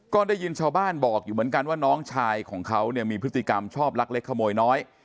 ก็ได้ยินชาวบ้านบอกอยู่เหมือนกันว่าน้องชายของเขาเนี่ยมีพฤติกรรมชอบลักเล็กขโมยน้อย